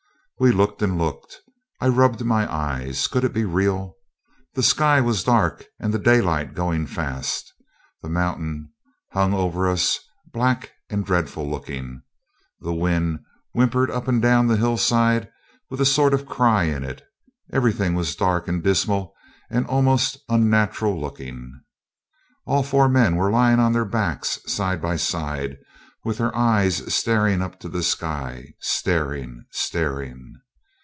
We looked and looked. I rubbed my eyes. Could it be real? The sky was dark, and the daylight going fast. The mountain hung over us black and dreadful looking. The wind whimpered up and down the hillside with a sort of cry in it. Everything was dark and dismal and almost unnatural looking. All four men were lying on their backs side by side, with their eyes staring up to the sky staring staring!